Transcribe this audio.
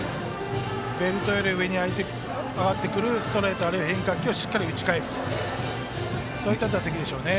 ベルトより上に上がってくるストレートあるいは変化球をしっかり打ち返すそういった打席でしょうね。